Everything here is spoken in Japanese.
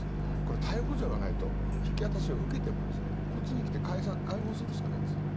逮捕状がないと引き渡しを受けてもこちらに来て解放するしかないんですね。